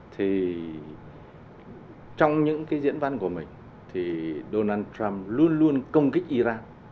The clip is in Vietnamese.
thì trong những cái diễn văn của mình thì donald trump luôn luôn công kích iran